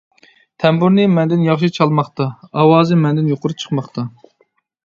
تەمبۇرنى مەندىن ياخشى چالماقتا، ئاۋازى مەندىن يۇقىرى چىقماقتا.